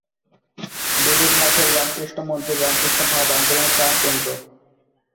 বেলুড় মঠের রামকৃষ্ণ মন্দির রামকৃষ্ণ ভাব-আন্দোলনের প্রাণকেন্দ্র।